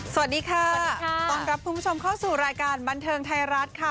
สวัสดีค่ะต้อนรับคุณผู้ชมเข้าสู่รายการบันเทิงไทยรัฐค่ะ